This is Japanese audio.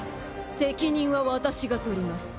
責任は私が取ります。